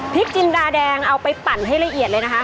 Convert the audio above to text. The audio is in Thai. จินดาแดงเอาไปปั่นให้ละเอียดเลยนะคะ